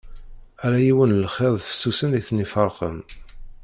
Ala yiwen n lxiḍ fessusen i ten-iferqen.